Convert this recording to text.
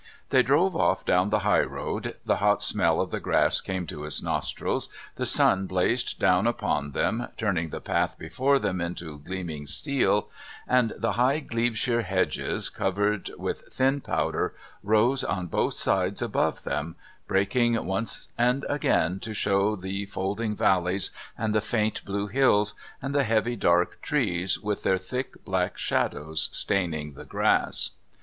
They drove off down the high road, the hot smell of the grass came to his nostrils, the sun blazed down upon them, turning the path before them into gleaming steel, and the high Glebeshire hedges, covered with thin powder, rose on both sides above them, breaking once and again to show the folding valleys, and the faint blue hills, and the heavy, dark trees with their thick, black shadows staining the grass.